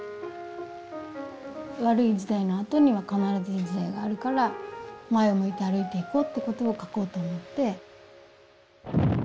悪い時代のあとには必ずいい時代があるから前を向いて歩いていこうってことを描こうと思って。